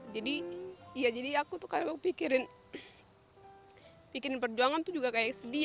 jadi ya jadi aku tuh kalau pikirin pikirin perjuangan tuh juga kayak sedih